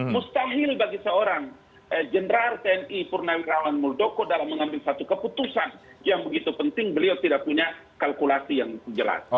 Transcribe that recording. mustahil bagi seorang general tni purnawirawan muldoko dalam mengambil satu keputusan yang begitu penting beliau tidak punya kalkulasi yang jelas